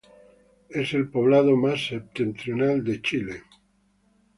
Es el poblado más septentrional de Chile.